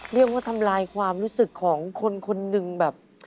เรียกว่าทำลายความรู้สึกของคนคนหนึ่งแบบ